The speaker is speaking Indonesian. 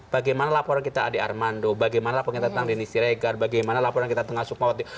bagaimana laporan kita adi armando bagaimana laporan tentang denny siregar bagaimana laporan kita tengah sukmawati